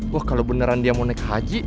wah kalau beneran dia mau naik haji